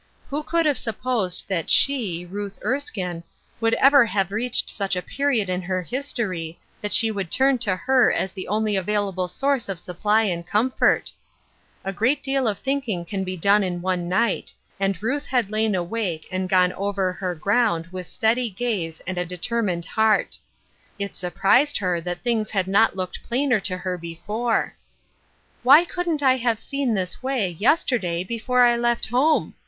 Who could have supposed that she^ Ruth Erskine, would ever have reached such a period in her history that she would turn to her as the only available source of supply and comfort. A great deal of 314 Ruth Erskine's Crosses. thinking can be done in one night, and Ruth had lain awake and gone over her ground with steady gaze and a determined heart. It surprised her that things had not looked plainer to her before, " Why couldn't I have seen this way, yesterday, before I left home